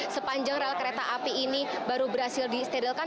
sepanjang rel kereta api ini baru berhasil disterilkan